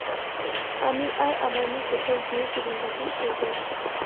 আমি আর আমার মেয়ে কোথাও গিয়ে জীবন যাপন করব।